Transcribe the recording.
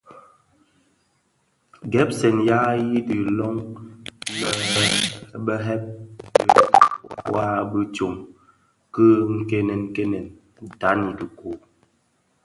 Gèpsèn ya i dhi loň lè bè dheb ndhèli wa bi tsom ki kènènkenen ndhan dhikō.